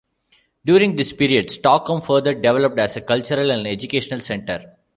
During this period, Stockholm further developed as a cultural and educational centre.